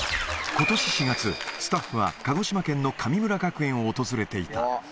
ことし４月、スタッフは鹿児島県の神村学園を訪れていた。